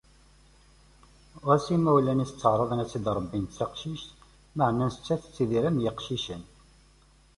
Ɣas imawlan-is ttaεraḍen ad tt-id-rebbin d taqcict, meɛna nettat tettidir am yiqcicen.